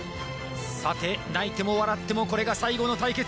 さて泣いても笑ってもこれが最後の対決